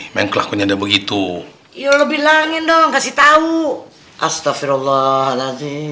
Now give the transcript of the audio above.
tuh bagaimana itu juga kenya